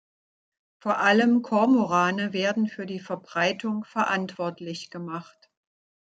Vor allem Kormorane werden für die Verbreitung verantwortlich gemacht.